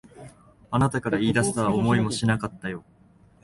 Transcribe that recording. あなたから言い出すとは思いもしなかったよ。